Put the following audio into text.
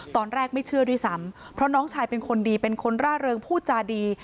ตอนแรกไม่เชื่อด้วยซ้ำเพราะน้องชายเป็นคนดีเป็นคนร่าเริงพูดจาดี